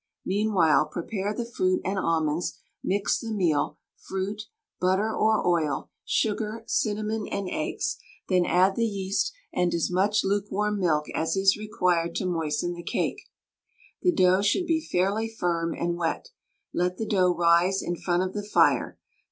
Meanwhile prepare the fruit and almonds, mix the meal, fruit, butter (or oil), sugar, cinnamon and eggs; then add the yeast and as much lukewarm milk as is required to moisten the cake. The dough should be fairly firm and wet. Let the dough rise in front of the fire.